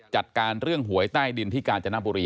จัดการเรื่องหวยใต้ดินที่กาญจนบุรี